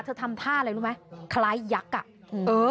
ทำท่าอะไรรู้ไหมคล้ายยักษ์อ่ะ